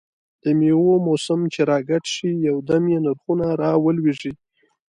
دمېوو موسم چې را ګډ شي، یو دم یې نرخونه را ولوېږي.